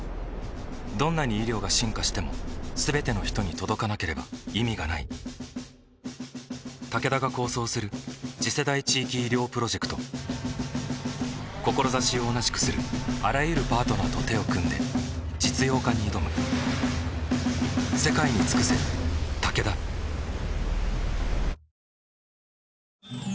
どんなに医療が進化しても全ての人に届かなければ意味がないタケダが構想する次世代地域医療プロジェクト志を同じくするあらゆるパートナーと手を組んで実用化に挑むアロマのエッセンス？